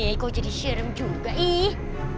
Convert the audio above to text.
eh kau jadi serem juga ih